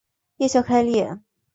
叶鞘开裂。